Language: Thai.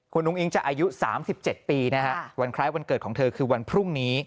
คุณอุ้งอิ๊งจะอายุ๓๗ปีนะฮะวันคล้ายวันเกิดของเธอคือวันพรุ่งนี้